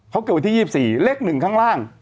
เขาเกิดวันที่๒๔เลข๑ข้างล่าง